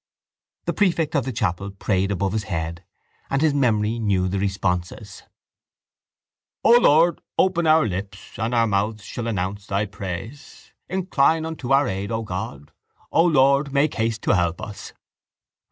The prefect of the chapel prayed above his head and his memory knew the responses: O Lord, open our lips And our mouths shall announce Thy praise. Incline unto our aid, O God! O Lord, make haste to help us!